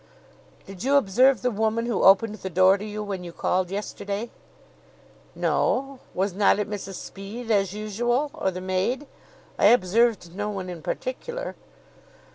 "Did you observe the woman who opened the door to you when you called yesterday?" "No. Was not it Mrs Speed, as usual, or the maid? I observed no one in particular."